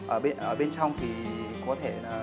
ở bên trong thì có thể là